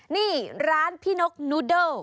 นี่ร้านพี่นกนูโด